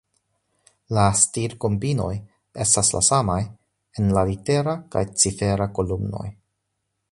La stir-kombinoj estas la samaj en la litera kaj cifera kolumnoj.